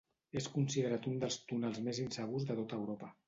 És considerat un dels túnels més insegurs de tot Europa.